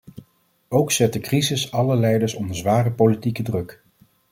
Ook zet de crisis alle leiders onder zware politieke druk.